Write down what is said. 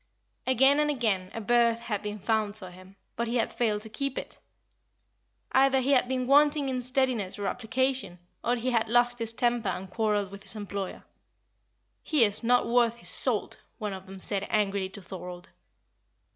Again and again a berth had been found for him, but he had failed to keep it. Either he had been wanting in steadiness or application, or he had lost his temper and quarrelled with his employer. "He is not worth his salt!" one of them said angrily to Thorold.